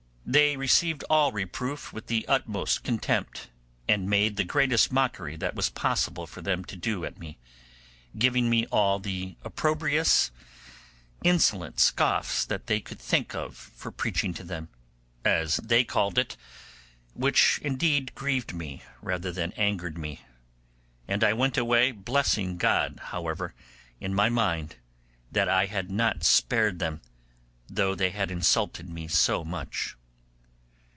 They received all reproof with the utmost contempt, and made the greatest mockery that was possible for them to do at me, giving me all the opprobrious, insolent scoffs that they could think of for preaching to them, as they called it, which indeed grieved me, rather than angered me; and I went away, blessing God, however, in my mind that I had not spared them, though they had insulted me so much.